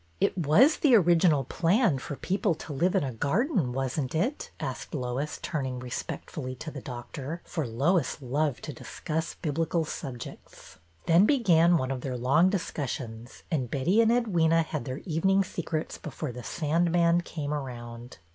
'' It was the original plan for people to live in a garden, was n't it ?" asked Lois, turning respectfully to the doctor, for Lois loved to dis cuss Biblical subjects. They began one of their long discussions, and Betty and Edwyna had their evening secrets before the sandman came around.